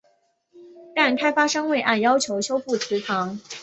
但开发商未按要求修复祠堂。